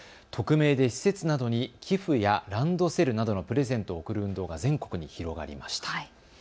匿名で施設などに寄付やランドセルなどのプレゼントを贈る運動が全国に広がりました。